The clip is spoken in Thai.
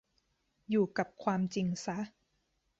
อยู่กับความจริงซะ